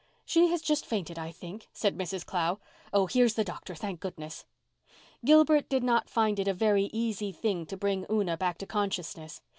"She has just fainted, I think," said Mrs. Clow. "Oh, here's the doctor, thank goodness." Gilbert did not find it a very easy thing to bring Una back to consciousness.